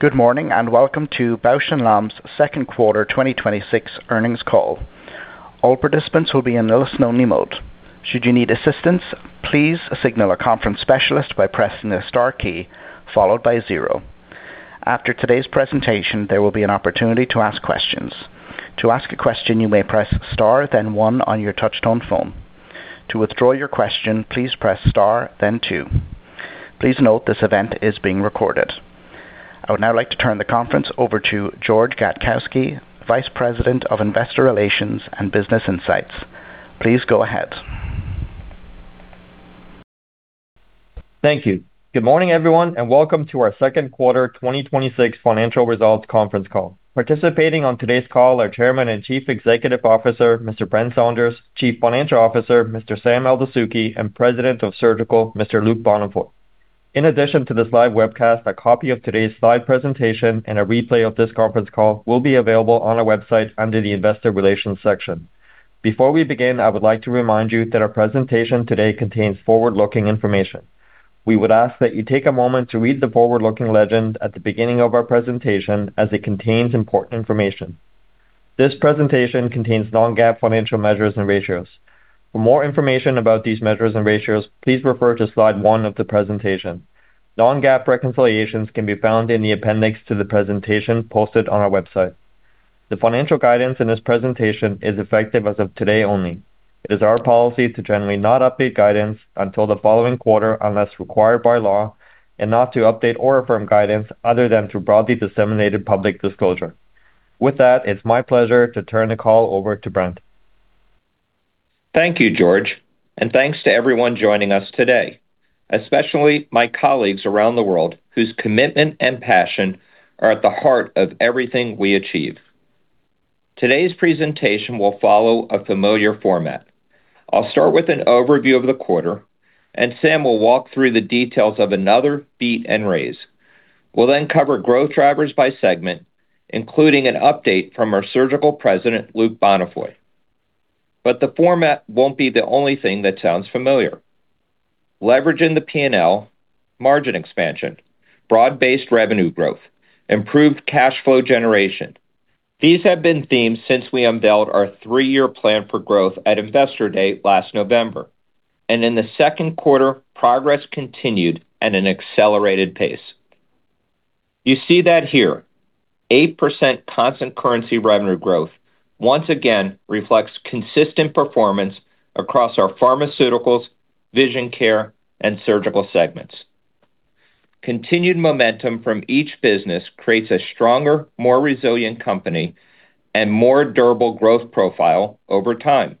Good morning. Welcome to Bausch + Lomb's second quarter 2026 earnings call. All participants will be in listen only mode. Should you need assistance, please signal a conference specialist by pressing the star key followed by zero. After today's presentation, there will be an opportunity to ask questions. To ask a question, you may press star then one on your touchtone phone. To withdraw your question, please press star then two. Please note this event is being recorded. I would now like to turn the conference over to George Gadkowski, Vice President of Investor Relations and Business Insights. Please go ahead. Thank you. Good morning everyone. Welcome to our second quarter 2026 financial results conference call. Participating on today's call are Chairman and Chief Executive Officer, Mr. Brent Saunders, Chief Financial Officer, Mr. Sam Eldessouky, and President of Surgical, Mr. Luc Bonnefoy. In addition to this live webcast, a copy of today's slide presentation and a replay of this conference call will be available on our website under the Investor Relations section. Before we begin, I would like to remind you that our presentation today contains forward-looking information. We would ask that you take a moment to read the forward-looking legend at the beginning of our presentation, as it contains important information. This presentation contains non-GAAP financial measures and ratios. For more information about these measures and ratios, please refer to slide one of the presentation. Non-GAAP reconciliations can be found in the appendix to the presentation posted on our website. The financial guidance in this presentation is effective as of today only. It is our policy to generally not update guidance until the following quarter unless required by law and not to update or affirm guidance other than through broadly disseminated public disclosure. With that, it's my pleasure to turn the call over to Brent. Thank you, George. Thanks to everyone joining us today, especially my colleagues around the world whose commitment and passion are at the heart of everything we achieve. Today's presentation will follow a familiar format. I'll start with an overview of the quarter and Sam will walk through the details of another beat and raise. We'll then cover growth drivers by segment, including an update from our Surgical President, Luc Bonnefoy. The format won't be the only thing that sounds familiar. Leveraging the P&L margin expansion, broad-based revenue growth, improved cash flow generation. These have been themes since we unveiled our three-year plan for growth at Investor Day last November. In the second quarter, progress continued at an accelerated pace. You see that here. 8% constant currency revenue growth once again reflects consistent performance across our pharmaceuticals, vision care, and surgical segments. Continued momentum from each business creates a stronger, more resilient company and more durable growth profile over time.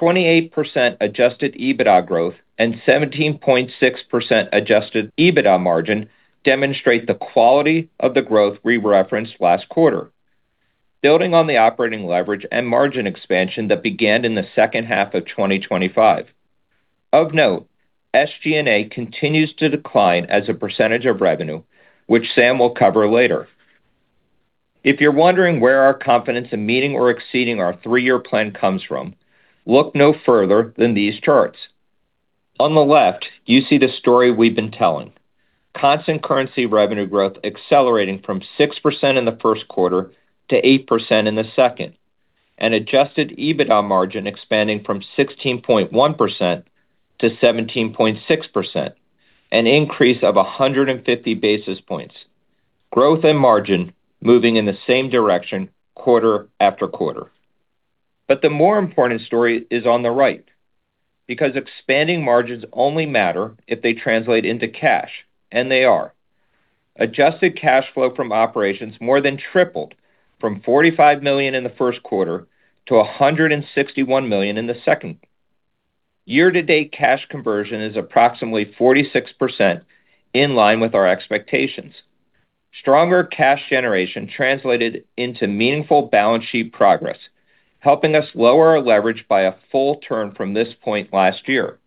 28% adjusted EBITDA growth and 17.6% adjusted EBITDA margin demonstrate the quality of the growth we referenced last quarter. Building on the operating leverage and margin expansion that began in the second half of 2025. Of note, SG&A continues to decline as a percentage of revenue, which Sam will cover later. If you're wondering where our confidence in meeting or exceeding our three-year plan comes from, look no further than these charts. On the left, you see the story we've been telling. Constant currency revenue growth accelerating from 6% in the first quarter to 8% in the second, and adjusted EBITDA margin expanding from 16.1% to 17.6%, an increase of 150 basis points. Growth and margin moving in the same direction quarter after quarter. The more important story is on the right, because expanding margins only matter if they translate into cash, and they are. Adjusted cash flow from operations more than tripled from $45 million in the first quarter to $161 million in the second. Year to date cash conversion is approximately 46% in line with our expectations. Stronger cash generation translated into meaningful balance sheet progress, helping us lower our leverage by a full turn from this point last year.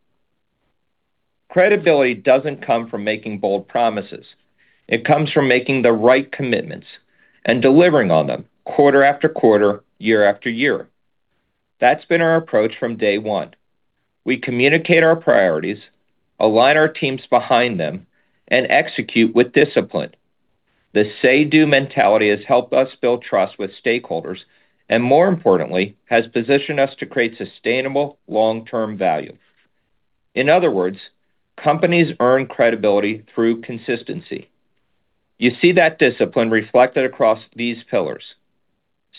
Credibility doesn't come from making bold promises. It comes from making the right commitments and delivering on them quarter after quarter, year after year. That's been our approach from day one. We communicate our priorities, align our teams behind them, and execute with discipline. The say-do mentality has helped us build trust with stakeholders, and more importantly, has positioned us to create sustainable long-term value. In other words, companies earn credibility through consistency. You see that discipline reflected across these pillars.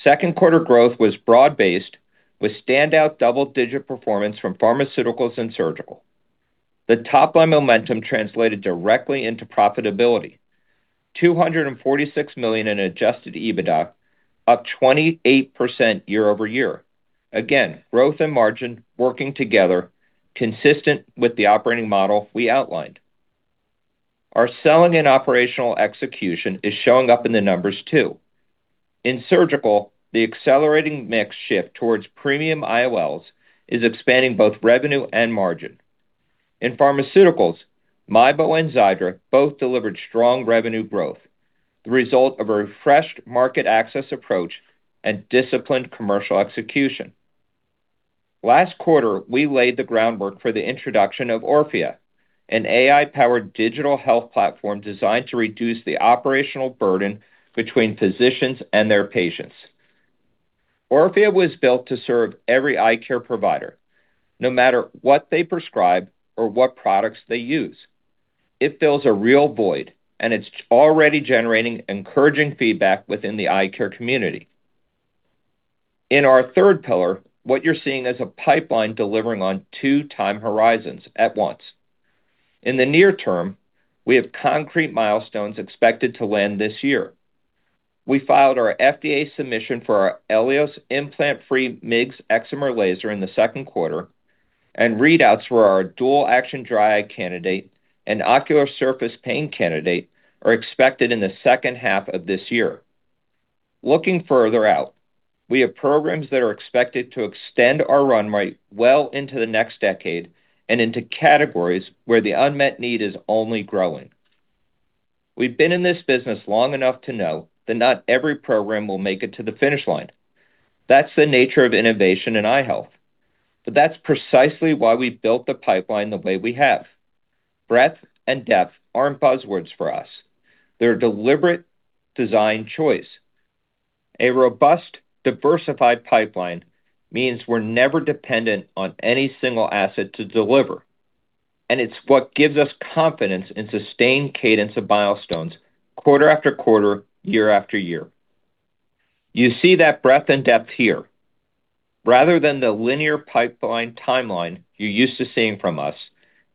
Second quarter growth was broad-based with standout double-digit performance from pharmaceuticals and surgical. The top-line momentum translated directly into profitability. $246 million in adjusted EBITDA up 28% year-over-year. Again, growth and margin working together consistent with the operating model we outlined. Our selling and operational execution is showing up in the numbers too. In surgical, the accelerating mix shift towards premium IOLs is expanding both revenue and margin. In pharmaceuticals, MIEBO and XIIDRA both delivered strong revenue growth, the result of a refreshed market access approach and disciplined commercial execution. Last quarter, we laid the groundwork for the introduction of Orphia, an AI-powered digital health platform designed to reduce the operational burden between physicians and their patients. Orphia was built to serve every eye care provider, no matter what they prescribe or what products they use. It fills a real void, and it's already generating encouraging feedback within the eye care community. In our third pillar, what you're seeing is a pipeline delivering on two time horizons at once. In the near term, we have concrete milestones expected to land this year. We filed our FDA submission for our ELIOS implant-free MIGS excimer laser in the second quarter. Readouts for our dual-action dry eye candidate and ocular surface pain candidate are expected in the second half of this year. Looking further out, we have programs that are expected to extend our run rate well into the next decade and into categories where the unmet need is only growing. We've been in this business long enough to know that not every program will make it to the finish line. That's the nature of innovation in eye health. That's precisely why we've built the pipeline the way we have. Breadth and depth aren't buzzwords for us. They're a deliberate design choice. A robust, diversified pipeline means we're never dependent on any single asset to deliver. It's what gives us confidence in sustained cadence of milestones quarter after quarter, year after year. You see that breadth and depth here. Rather than the linear pipeline timeline you're used to seeing from us,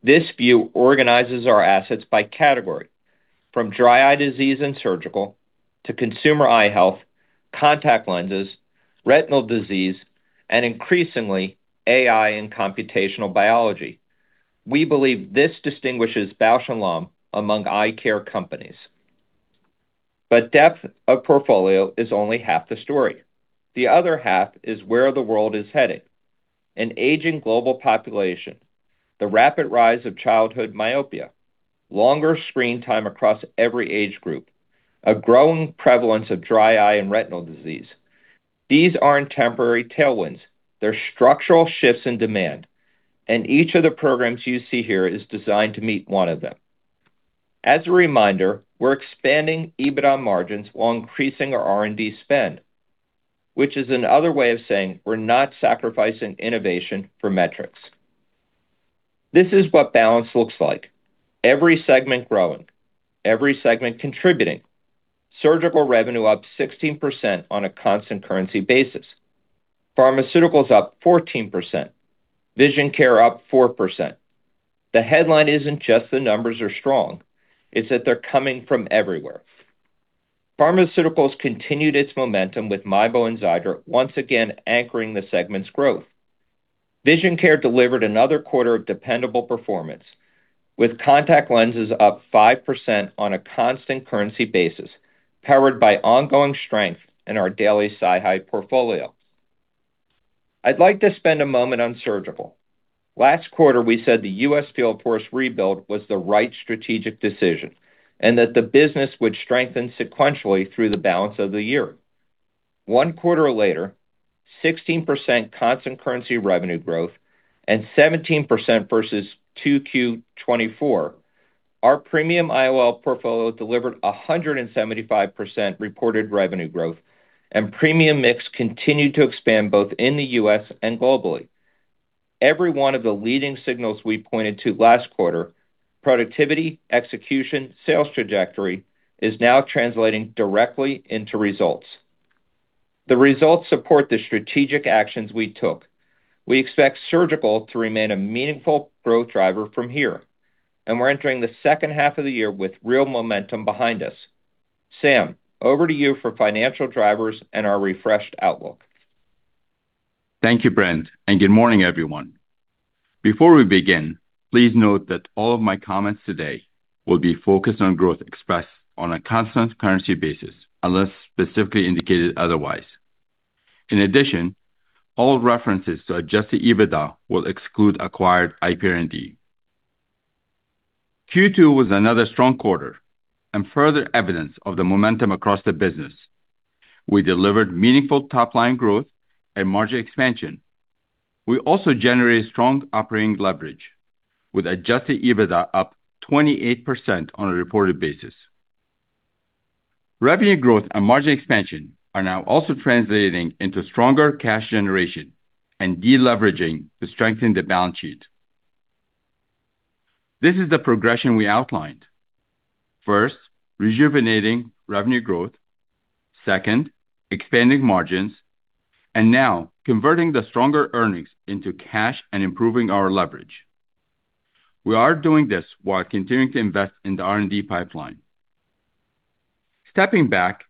this view organizes our assets by category, from dry eye disease and surgical, to consumer eye health, contact lenses, retinal disease, and increasingly, AI and computational biology. We believe this distinguishes Bausch + Lomb among eye care companies. Depth of portfolio is only half the story. The other half is where the world is heading. An aging global population, the rapid rise of childhood myopia, longer screen time across every age group, a growing prevalence of dry eye and retinal disease. These aren't temporary tailwinds. They're structural shifts in demand. Each of the programs you see here is designed to meet one of them. As a reminder, we're expanding EBITDA margins while increasing our R&D spend, which is another way of saying we're not sacrificing innovation for metrics. This is what balance looks like. Every segment growing, every segment contributing. Surgical revenue up 16% on a constant currency basis. Pharmaceuticals up 14%. Vision care up 4%. The headline isn't just the numbers are strong, it's that they're coming from everywhere. Pharmaceuticals continued its momentum with MIEBO and XIIDRA once again anchoring the segment's growth. Vision care delivered another quarter of dependable performance, with contact lenses up 5% on a constant currency basis, powered by ongoing strength in our daily SiHy portfolio. I'd like to spend a moment on surgical. Last quarter, we said the U.S. field force rebuild was the right strategic decision. That the business would strengthen sequentially through the balance of the year. One quarter later, 16% constant currency revenue growth. 17% versus 2Q 2024. Our premium IOL portfolio delivered 175% reported revenue growth. Premium mix continued to expand both in the U.S. and globally. Every one of the leading signals we pointed to last quarter, productivity, execution, sales trajectory, is now translating directly into results. The results support the strategic actions we took. We expect surgical to remain a meaningful growth driver from here. We're entering the second half of the year with real momentum behind us. Sam, over to you for financial drivers and our refreshed outlook. Thank you, Brent, and good morning, everyone. Before we begin, please note that all of my comments today will be focused on growth expressed on a constant currency basis, unless specifically indicated otherwise. In addition, all references to adjusted EBITDA will exclude acquired IPR&D. Q2 was another strong quarter and further evidence of the momentum across the business. We delivered meaningful top-line growth and margin expansion. We also generated strong operating leverage with adjusted EBITDA up 28% on a reported basis. Revenue growth and margin expansion are now also translating into stronger cash generation and deleveraging to strengthen the balance sheet. This is the progression we outlined. First, rejuvenating revenue growth. Second, expanding margins. Now converting the stronger earnings into cash and improving our leverage. We are doing this while continuing to invest in the R&D pipeline. Stepping back,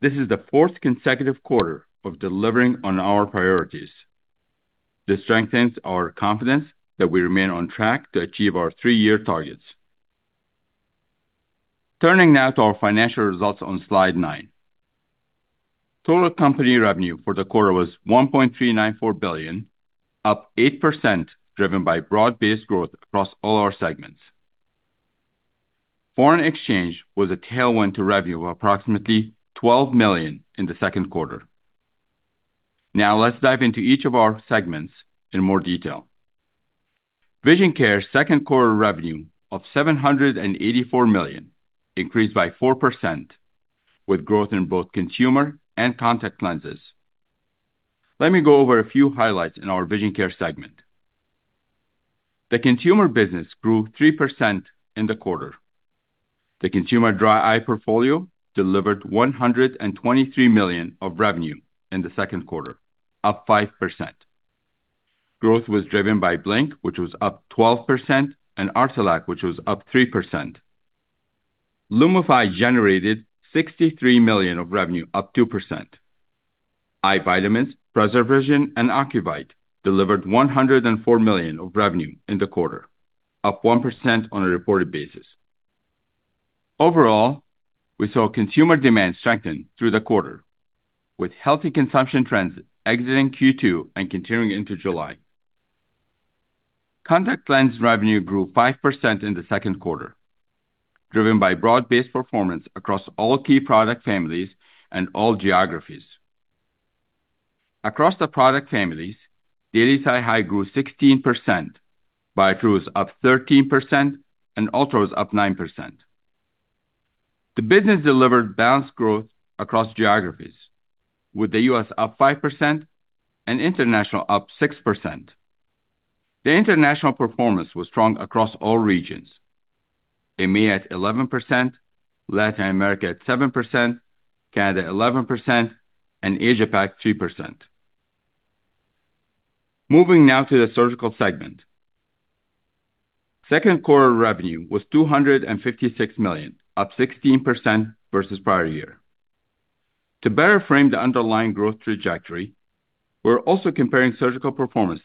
this is the fourth consecutive quarter of delivering on our priorities. This strengthens our confidence that we remain on track to achieve our three-year targets. Turning now to our financial results on slide nine. Total company revenue for the quarter was $1.394 billion, up 8%, driven by broad-based growth across all our segments. Foreign exchange was a tailwind to revenue of approximately $12 million in the second quarter. Let's dive into each of our segments in more detail. Vision Care's second quarter revenue of $784 million increased by 4%, with growth in both consumer and contact lenses. Let me go over a few highlights in our Vision Care segment. The consumer business grew 3% in the quarter. The consumer dry eye portfolio delivered $123 million of revenue in the second quarter, up 5%. Growth was driven by Blink, which was up 12%, and Artelac, which was up 3%. LUMIFY generated $63 million of revenue, up 2%. Eye vitamins, PreserVision, and Ocuvite delivered $104 million of revenue in the quarter, up 1% on a reported basis. Overall, we saw consumer demand strengthen through the quarter, with healthy consumption trends exiting Q2 and continuing into July. Contact lens revenue grew 5% in the second quarter, driven by broad-based performance across all key product families and all geographies. Across the product families, [inaudible] grew 16%, Biotrue is up 13%, and ULTRA is up 9%. The business delivered balanced growth across geographies, with the U.S. up 5% and international up 6%. The international performance was strong across all regions. EMEA at 11%, Latin America at 7%, Canada 11%, and Asia-Pac 3%. Moving to the surgical segment. Second quarter revenue was $256 million, up 16% versus prior year. To better frame the underlying growth trajectory, we're also comparing surgical performance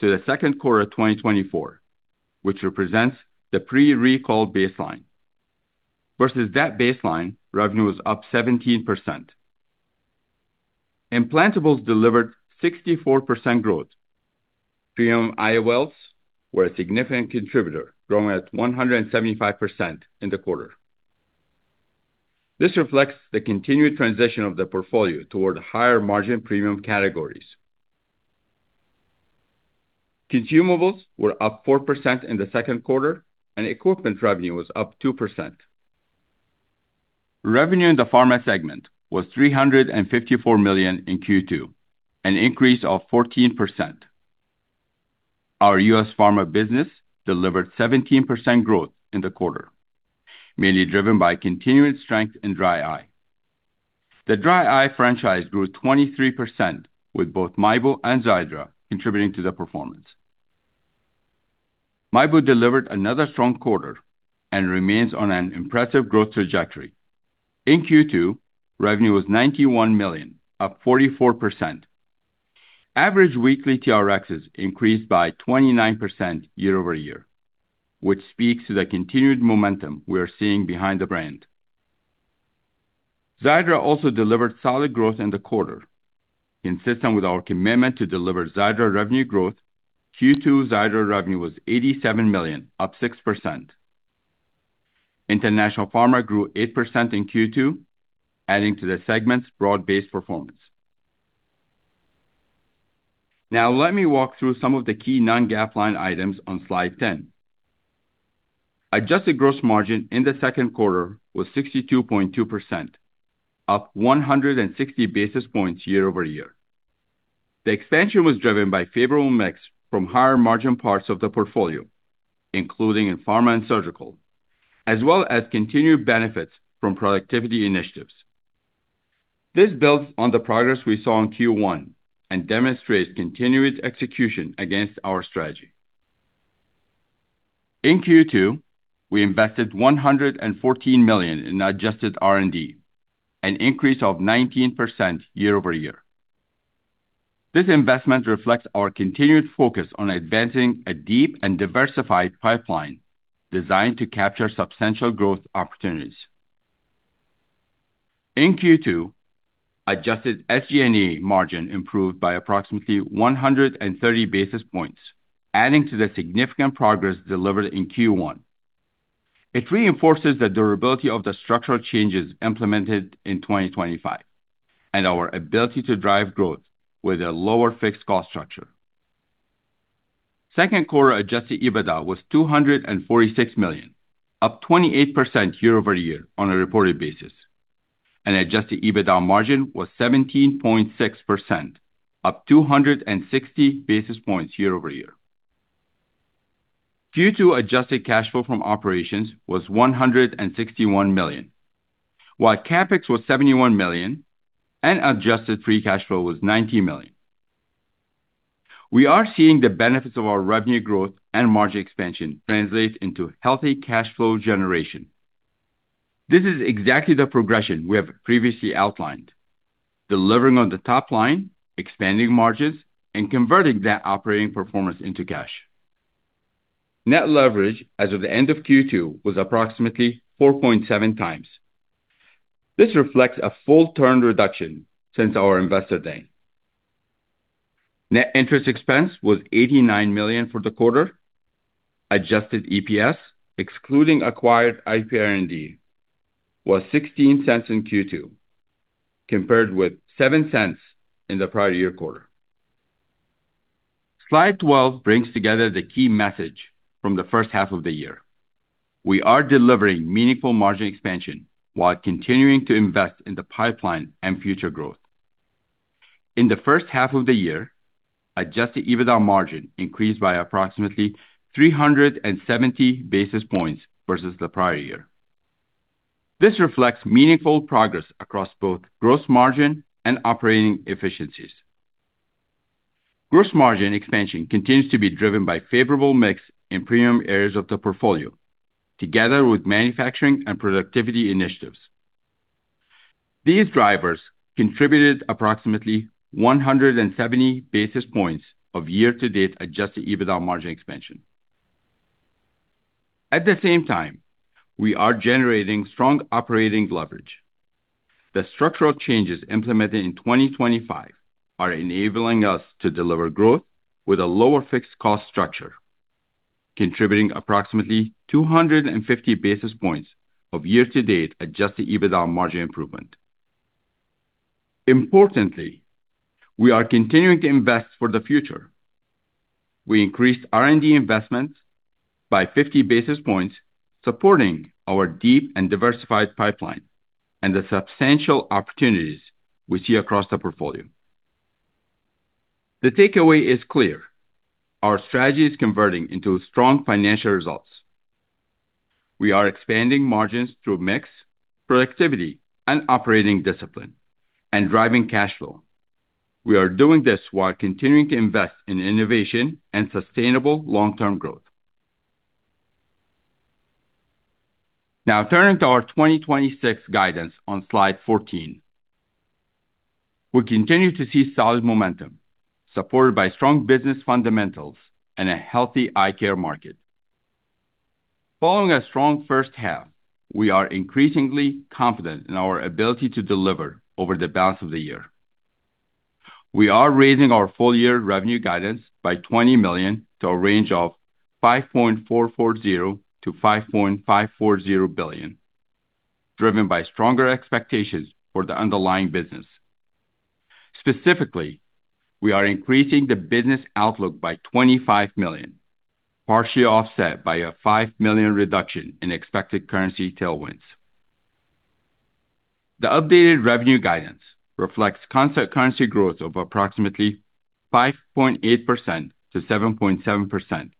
to the second quarter of 2024, which represents the pre-recall baseline. Versus that baseline, revenue was up 17%. Implantables delivered 64% growth. Premium IOLs were a significant contributor, growing at 175% in the quarter. This reflects the continued transition of the portfolio toward higher margin premium categories. Consumables were up 4% in the second quarter, and equipment revenue was up 2%. Revenue in the pharma segment was $354 million in Q2, an increase of 14%. Our U.S. pharma business delivered 17% growth in the quarter, mainly driven by continued strength in dry eye. The dry eye franchise grew 23% with both MIEBO and XIIDRA contributing to the performance. MIEBO delivered another strong quarter and remains on an impressive growth trajectory. In Q2, revenue was $91 million, up 44%. Average weekly TRXs increased by 29% year-over-year, which speaks to the continued momentum we are seeing behind the brand. XIIDRA also delivered solid growth in the quarter. Consistent with our commitment to deliver XIIDRA revenue growth, Q2 XIIDRA revenue was $87 million, up 6%. International pharma grew 8% in Q2, adding to the segment's broad-based performance. Now let me walk through some of the key non-GAAP line items on slide 10. Adjusted gross margin in the second quarter was 62.2%, up 160 basis points year-over-year. The expansion was driven by favorable mix from higher margin parts of the portfolio, including in pharma and surgical, as well as continued benefits from productivity initiatives. This builds on the progress we saw in Q1 and demonstrates continued execution against our strategy. In Q2, we invested $114 million in adjusted R&D, an increase of 19% year-over-year. This investment reflects our continued focus on advancing a deep and diversified pipeline designed to capture substantial growth opportunities. In Q2, adjusted SG&A margin improved by approximately 130 basis points, adding to the significant progress delivered in Q1. It reinforces the durability of the structural changes implemented in 2025 and our ability to drive growth with a lower fixed cost structure. Second quarter adjusted EBITDA was $246 million, up 28% year-over-year on a reported basis, and adjusted EBITDA margin was 17.6%, up 260 basis points year-over-year. Q2 adjusted cash flow from operations was $161 million, while CapEx was $71 million and adjusted free cash flow was $90 million. We are seeing the benefits of our revenue growth and margin expansion translate into healthy cash flow generation. This is exactly the progression we have previously outlined, delivering on the top line, expanding margins, and converting that operating performance into cash. Net leverage as of the end of Q2 was approximately 4.7x. This reflects a full turn reduction since our Investor Day. Net interest expense was $89 million for the quarter. Adjusted EPS, excluding acquired IPR&D, was $0.16 in Q2, compared with $0.07 in the prior year quarter. Slide 12 brings together the key message from the first half of the year. We are delivering meaningful margin expansion while continuing to invest in the pipeline and future growth. In the first half of the year, adjusted EBITDA margin increased by approximately 370 basis points versus the prior year. This reflects meaningful progress across both gross margin and operating efficiencies. Gross margin expansion continues to be driven by favorable mix in premium areas of the portfolio, together with manufacturing and productivity initiatives. These drivers contributed approximately 170 basis points of year-to-date adjusted EBITDA margin expansion. At the same time, we are generating strong operating leverage. The structural changes implemented in 2025 are enabling us to deliver growth with a lower fixed cost structure, contributing approximately 250 basis points of year-to-date adjusted EBITDA margin improvement. Importantly, we are continuing to invest for the future. We increased R&D investments by 50 basis points, supporting our deep and diversified pipeline and the substantial opportunities we see across the portfolio. The takeaway is clear. Our strategy is converting into strong financial results. We are expanding margins through mix, productivity and operating discipline, and driving cash flow. We are doing this while continuing to invest in innovation and sustainable long-term growth. Turning to our 2026 guidance on slide 14. We continue to see solid momentum, supported by strong business fundamentals and a healthy eye care market. Following a strong first half, we are increasingly confident in our ability to deliver over the balance of the year. We are raising our full-year revenue guidance by $20 million to a range of $5.440 billion-$5.540 billion, driven by stronger expectations for the underlying business. Specifically, we are increasing the business outlook by $25 million, partially offset by a $5 million reduction in expected currency tailwinds. The updated revenue guidance reflects concept currency growth of approximately 5.8%-7.7%,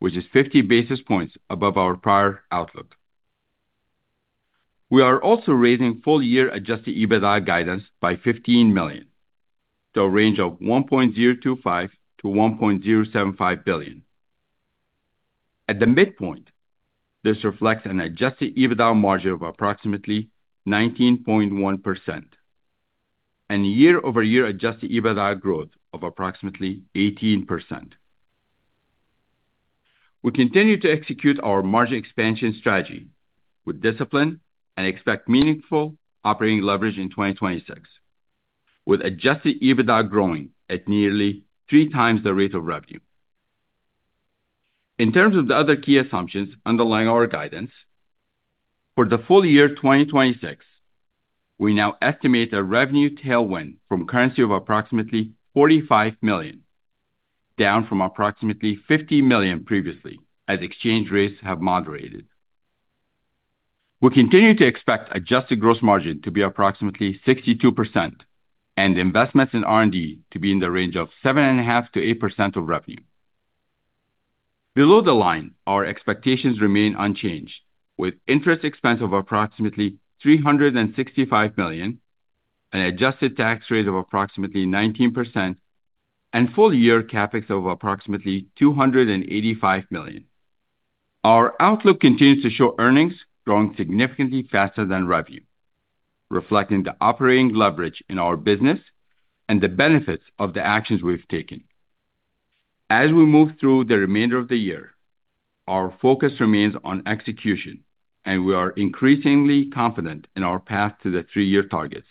which is 50 basis points above our prior outlook. We are also raising full-year adjusted EBITDA guidance by $15 million to a range of $1.025 billion-$1.075 billion. At the midpoint, this reflects an adjusted EBITDA margin of approximately 19.1% and year-over-year adjusted EBITDA growth of approximately 18%. We continue to execute our margin expansion strategy with discipline and expect meaningful operating leverage in 2026, with adjusted EBITDA growing at nearly three times the rate of revenue. In terms of the other key assumptions underlying our guidance, for the full year 2026, we now estimate a revenue tailwind from currency of approximately $45 million, down from approximately $50 million previously, as exchange rates have moderated. We continue to expect adjusted gross margin to be approximately 62% and investments in R&D to be in the range of 7.5%-8% of revenue. Below the line, our expectations remain unchanged, with interest expense of approximately $365 million, an adjusted tax rate of approximately 19%, and full-year CapEx of approximately $285 million. Our outlook continues to show earnings growing significantly faster than revenue, reflecting the operating leverage in our business and the benefits of the actions we've taken. As we move through the remainder of the year, our focus remains on execution, and we are increasingly confident in our path to the three-year targets.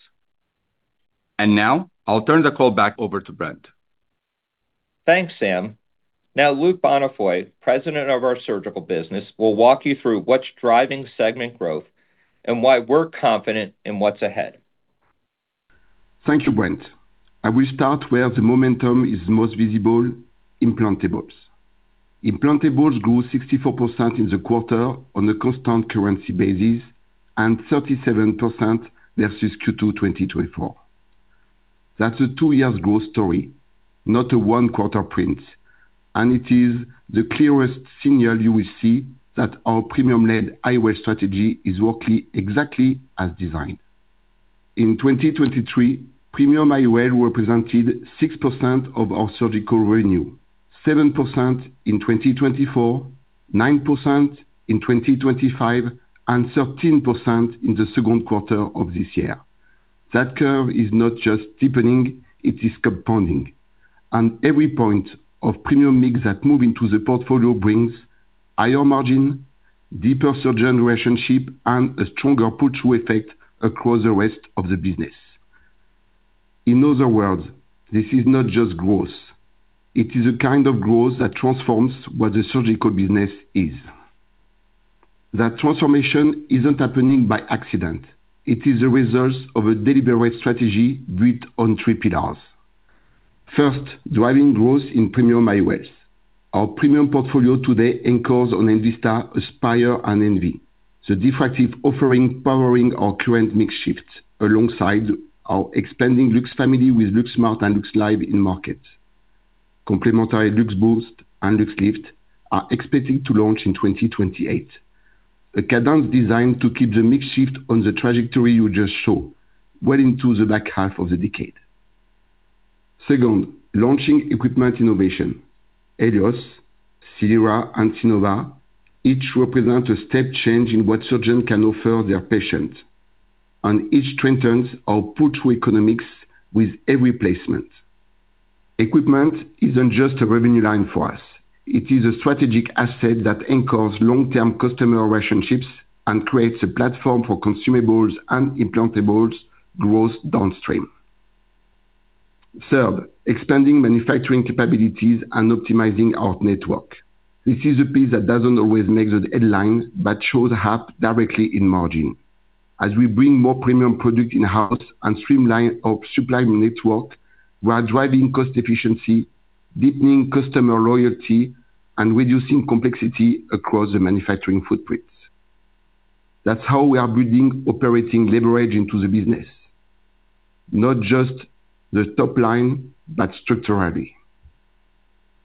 Now I'll turn the call back over to Brent. Thanks, Sam. Luc Bonnefoy, president of our surgical business, will walk you through what's driving segment growth and why we're confident in what's ahead. Thank you, Brent. I will start where the momentum is most visible, implantables. Implantables grew 64% in the quarter on a constant currency basis, and 37% versus Q2 2024. That's a two years growth story, not a one-quarter print, and it is the clearest signal you will see that our premium-led eyewear strategy is working exactly as designed. In 2023, premium eyewear represented 6% of our surgical revenue, 7% in 2024, 9% in 2025, and 13% in the second quarter of this year. That curve is not just steepening, it is compounding. Every point of premium mix that move into the portfolio brings higher margin deeper surgeon relationship, and a stronger pull-through effect across the rest of the business. In other words, this is not just growth. It is a kind of growth that transforms what the surgical business is. That transformation isn't happening by accident. It is a result of a deliberate strategy built on three pillars. First, driving growth in premium IOLs. Our premium portfolio today anchors on enVista, Aspire, and Envy, the diffractive offering powering our current mix shift, alongside our expanding Lux family with LuxSmart and LuxLife in market. Complementary Lux Boost and Lux Lift are expected to launch in 2028. A cadence designed to keep the mix shift on the trajectory you just saw well into the back half of the decade. Second, launching equipment innovation. Elios, Synera, and Sinova each represent a step change in what surgeons can offer their patients, and each strengthens our pull-through economics with every placement. Equipment isn't just a revenue line for us. It is a strategic asset that anchors long-term customer relationships and creates a platform for consumables and implantables growth downstream. Third, expanding manufacturing capabilities and optimizing our network. This is a piece that doesn't always make the headlines but shows up directly in margin. As we bring more premium product in-house and streamline our supply network, we are driving cost efficiency, deepening customer loyalty, and reducing complexity across the manufacturing footprint. That's how we are building operating leverage into the business, not just the top line, but structurally.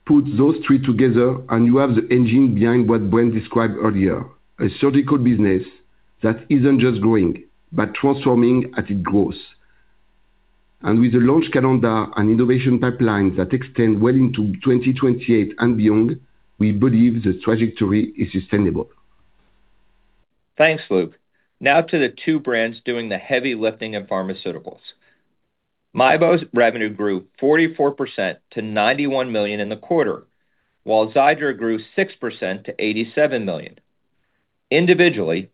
Put those three together and you have the engine behind what Brent described earlier, a surgical business that isn't just growing, but transforming as it grows. With the launch calendar and innovation pipeline that extend well into 2028 and beyond, we believe the trajectory is sustainable. Thanks, Luc. Now to the two brands doing the heavy lifting of pharmaceuticals. MIEBO's revenue grew 44% to $91 million in the quarter, while XIIDRA grew 6% to $87 million. Individually,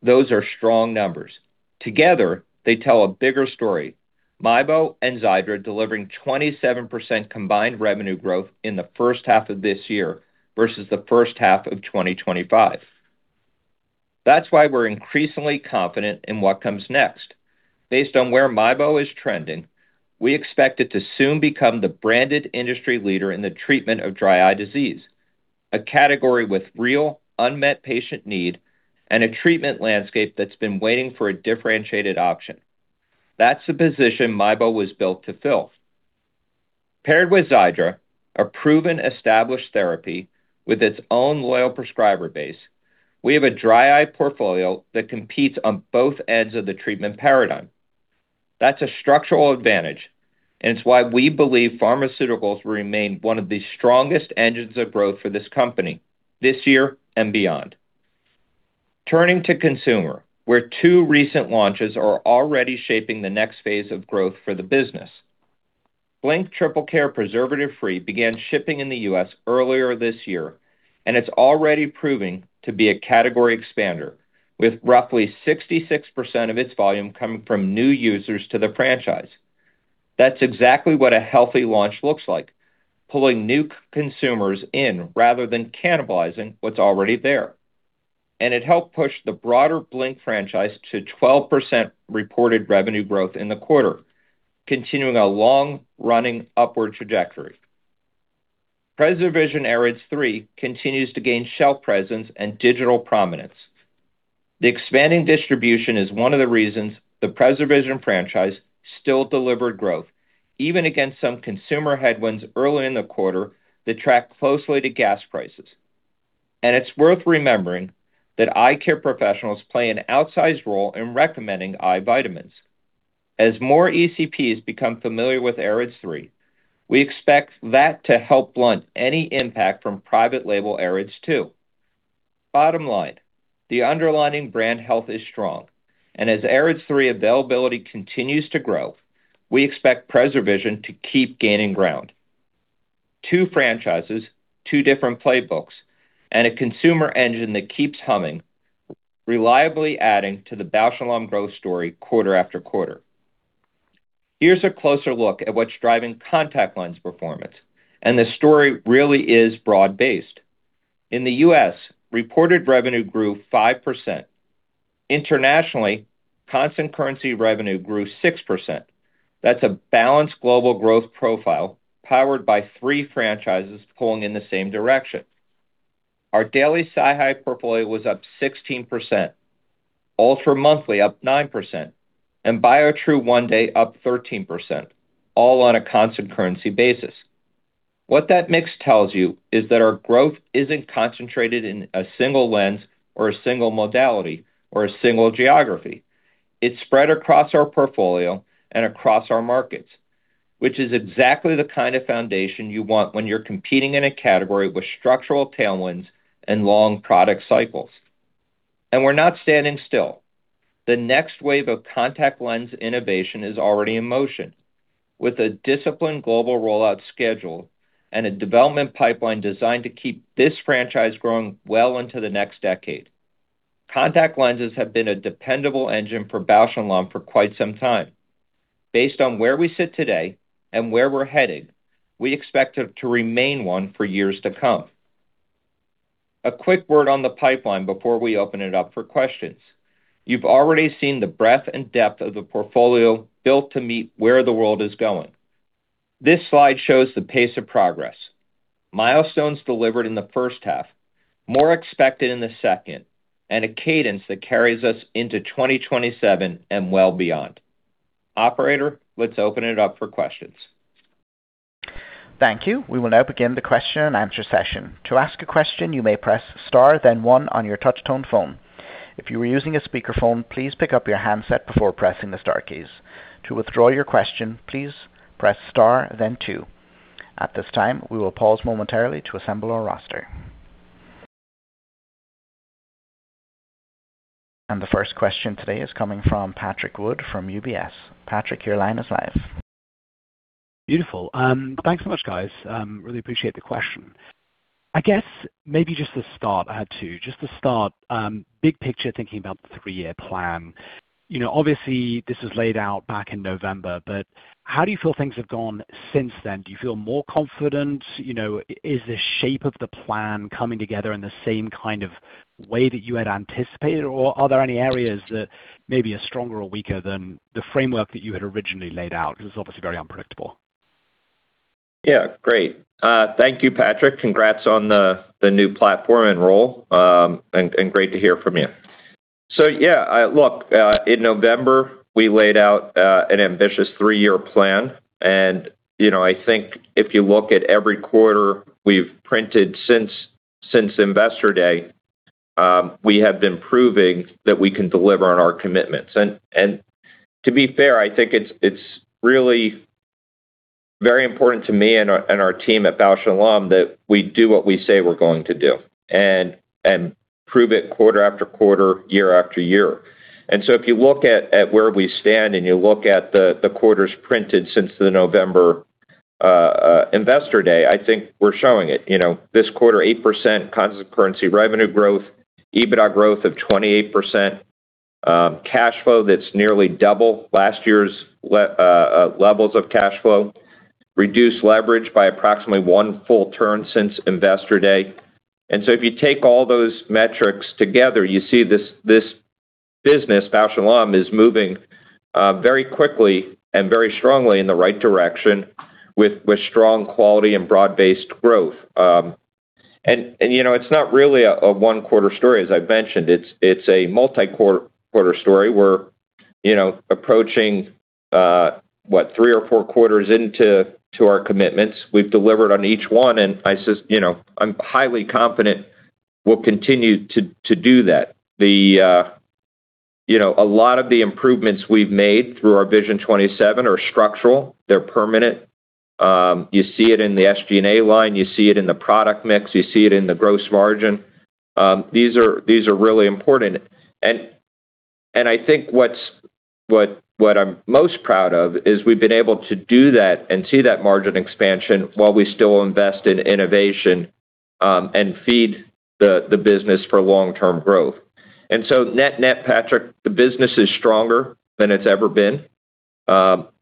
those are strong numbers. Together, they tell a bigger story. MIEBO and XIIDRA delivering 27% combined revenue growth in the first half of this year versus the first half of 2025. That's why we're increasingly confident in what comes next. Based on where MIEBO is trending, we expect it to soon become the branded industry leader in the treatment of dry eye disease, a category with real unmet patient need and a treatment landscape that's been waiting for a differentiated option. That's the position MIEBO was built to fill. Paired with XIIDRA, a proven established therapy with its own loyal prescriber base, we have a dry eye portfolio that competes on both ends of the treatment paradigm. That's a structural advantage, it's why we believe pharmaceuticals will remain one of the strongest engines of growth for this company this year and beyond. Turning to consumer, where two recent launches are already shaping the next phase of growth for the business. Blink Triple Care Preservative Free began shipping in the U.S. earlier this year, and it's already proving to be a category expander, with roughly 66% of its volume coming from new users to the franchise. That's exactly what a healthy launch looks like, pulling new consumers in rather than cannibalizing what's already there. It helped push the broader Blink franchise to 12% reported revenue growth in the quarter, continuing a long-running upward trajectory. PreserVision AREDS3 continues to gain shelf presence and digital prominence. The expanding distribution is one of the reasons the PreserVision franchise still delivered growth, even against some consumer headwinds early in the quarter that track closely to gas prices. It's worth remembering that eye care professionals play an outsized role in recommending eye vitamins. As more ECPs become familiar with AREDS3, we expect that to help blunt any impact from private label AREDS2. Bottom line, the underlying brand health is strong, as AREDS3 availability continues to grow, we expect PreserVision to keep gaining ground. Two franchises, two different playbooks, a consumer engine that keeps humming, reliably adding to the Bausch + Lomb growth story quarter after quarter. Here's a closer look at what's driving contact lens performance, the story really is broad-based. In the U.S., reported revenue grew 5%. Internationally, constant currency revenue grew 6%. That's a balanced global growth profile powered by three franchises pulling in the same direction. Our daily SiHy portfolio was up 16%, ULTRA monthly up 9%, and Biotrue one day up 13%, all on a constant currency basis. What that mix tells you is that our growth isn't concentrated in a single lens or a single modality or a single geography. It's spread across our portfolio and across our markets, which is exactly the kind of foundation you want when you're competing in a category with structural tailwinds and long product cycles. We're not standing still. The next wave of contact lens innovation is already in motion. With a disciplined global rollout schedule and a development pipeline designed to keep this franchise growing well into the next decade. Contact lenses have been a dependable engine for Bausch + Lomb for quite some time. Based on where we sit today and where we're headed, we expect it to remain one for years to come. A quick word on the pipeline before we open it up for questions. You've already seen the breadth and depth of the portfolio built to meet where the world is going. This slide shows the pace of progress, milestones delivered in the first half, more expected in the second, and a cadence that carries us into 2027 and well beyond. Operator, let's open it up for questions. Thank you. We will now begin the question and answer session. To ask a question, you may press star, then one on your touch-tone phone. If you are using a speakerphone, please pick up your handset before pressing the star keys. To withdraw your question, please press star, then two. At this time, we will pause momentarily to assemble our roster. The first question today is coming from Patrick Wood from UBS. Patrick, your line is live. Beautiful. Thanks so much, guys. Really appreciate the question. I guess maybe just to start, I had two. Just to start, big picture, thinking about the three-year plan. Obviously, this was laid out back in November, how do you feel things have gone since then? Do you feel more confident? Is the shape of the plan coming together in the same kind of way that you had anticipated, or are there any areas that maybe are stronger or weaker than the framework that you had originally laid out? It's obviously very unpredictable. Yeah. Great. Thank you, Patrick. Congrats on the new platform and role. Great to hear from you. Yeah. Look, in November, we laid out an ambitious three-year plan. I think if you look at every quarter we've printed since Investor Day, we have been proving that we can deliver on our commitments. To be fair, I think it's really very important to me and our team at Bausch + Lomb that we do what we say we're going to do and prove it quarter after quarter, year after year. If you look at where we stand and you look at the quarters printed since the November Investor Day, I think we're showing it. This quarter, 8% constant currency revenue growth, EBITDA growth of 28%, cash flow that's nearly double last year's levels of cash flow, reduced leverage by approximately one full turn since Investor Day. If you take all those metrics together, you see this business, Bausch + Lomb, is moving very quickly and very strongly in the right direction with strong quality and broad-based growth. It's not really a one-quarter story, as I've mentioned. It's a multi-quarter story. We're approaching three or four quarters into our commitments. We've delivered on each one, and I'm highly confident we'll continue to do that. A lot of the improvements we've made through our Vision 2027 are structural. They're permanent. You see it in the SG&A line, you see it in the product mix, you see it in the gross margin. These are really important. I think what I'm most proud of is we've been able to do that and see that margin expansion while we still invest in innovation and feed the business for long-term growth. Net-net, Patrick, the business is stronger than it's ever been.